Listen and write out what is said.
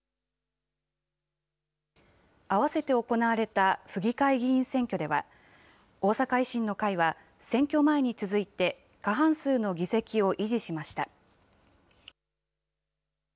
合わせて行われた府議会議員選挙では、大阪維新の会は選挙前に続いて、過半数の議席を維持しました。